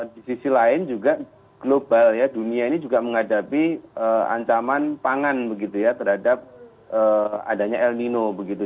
di sisi lain juga global ya dunia ini juga menghadapi ancaman pangan begitu ya terhadap adanya el nino begitu